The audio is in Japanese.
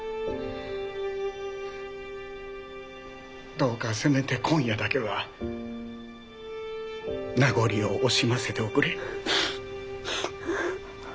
どうかせめて今夜だけは名残を惜しませておくれ。